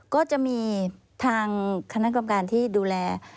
ก็จะมีทางคณะกรรมการที่ดูแล